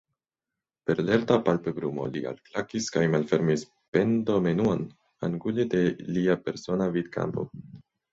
Per lerta palpebrumo li alklakis kaj malfermis pendomenuon angule de lia persona vidkampo.